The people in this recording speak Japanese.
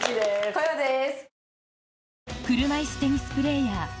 こよです。